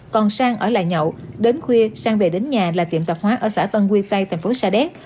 còn sang ở lại nhậu đến khuya sang về đến nhà là tiệm tập hóa ở xã tân quy tây tp sa đéc